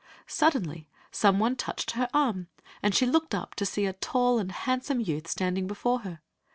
Suddenly some one touched her arm, and she looked up to see a tall and handsome youth standing before her.